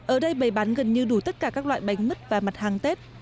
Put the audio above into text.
ở đây bày bán gần như đủ tất cả các loại bánh mứt và mặt hàng tết